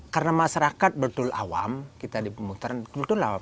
karena masyarakat betul awam kita di pemutaran betul awam